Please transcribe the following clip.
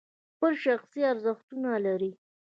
خپل شخصي ارزښتونه لري.